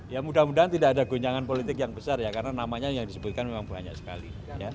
ya mudah mudahan tidak ada gonjangan politik yang besar ya karena namanya yang disebutkan memang banyak sekali